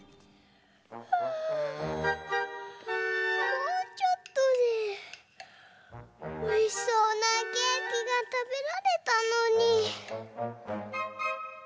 もうちょっとでおいしそうなケーキがたべられたのに。